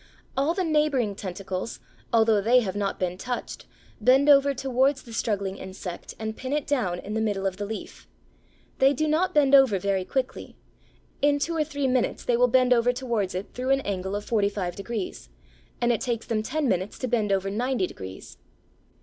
All the neighbouring tentacles, although they have not been touched, bend over towards the struggling insect and pin it down in the middle of the leaf. They do not bend over very quickly. In two or three minutes they will bend over towards it through an angle of forty five degrees, and it takes them ten minutes to bend over ninety degrees.